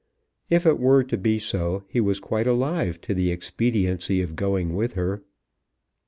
If it were to be so he was quite alive to the expediency of going with her.